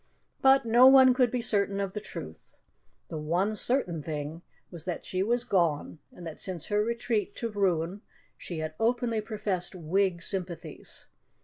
But no one could be certain of the truth: the one certain thing was that she was gone and that since her retreat to Rouen she had openly professed Whig sympathies.